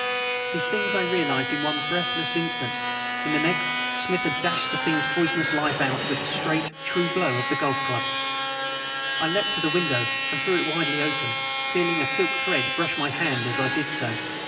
These things I realized in one breathless instant; in the next Smith had dashed the thing's poisonous life out with one straight, true blow of the golf club! I leaped to the window and threw it widely open, feeling a silk thread brush my hand as I did so.